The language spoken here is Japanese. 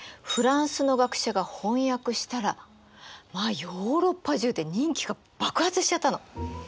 フランスの学者が翻訳したらまあヨーロッパ中で人気が爆発しちゃったの。